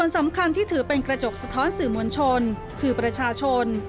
สำคัญที่ถือเป็นกระจกสะท้อนสื่อมวลชนคือประชาชน